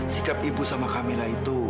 sikap ibu sama kamera itu